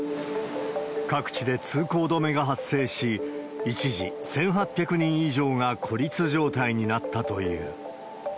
各地で通行止めが発生し、一時１８００人以上が孤立状態になったという。